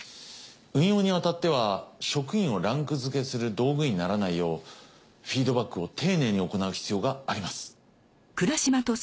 運用にあたっては職員をランク付けする道具にならないようフィードバックを丁寧に行う必要があります。